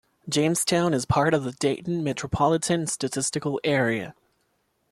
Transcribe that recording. Jamestown is part of the Dayton Metropolitan Statistical Area.